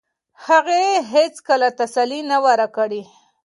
هغې هیڅکله تسلي نه وه راکړې.